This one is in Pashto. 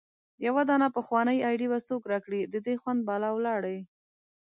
يو دانه پخوانۍ ايډي به څوک را کړي د دې خوند بالا ولاړی